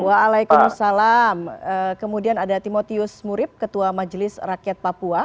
waalaikumsalam kemudian ada timotius murib ketua majelis rakyat papua